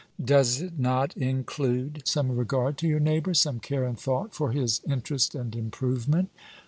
Does it not include some regard to your neighbor, some care and thought for his interest and improvement?"